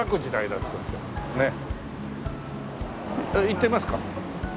行ってみますか？